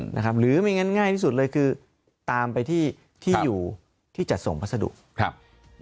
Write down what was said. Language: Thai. หรือไม่งั้นง่ายที่สุดเลยคือตามไปที่ที่อยู่ที่จัดส่งพัสดุครับ